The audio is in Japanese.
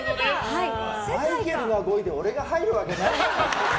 マイケルが５位で俺が入るわけないだろ！